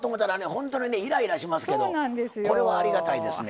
本当にねイライラしますけどこれはありがたいですね。